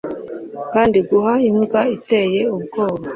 kandi guha imbwa iteye ubwoba